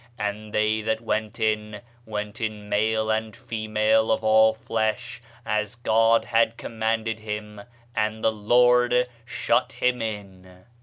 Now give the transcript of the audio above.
And they that went in, went in male and female of all flesh, as God had commanded him: and the Lord shut him in.